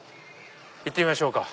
行ってみましょうか。